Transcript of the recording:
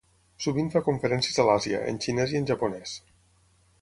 Sovint fa conferències a l'Àsia, en xinès i en japonès.